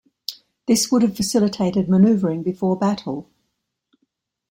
This would have facilitated manoeuvring before battle.